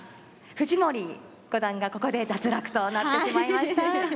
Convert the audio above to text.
藤森五段がここで脱落となってしまいました。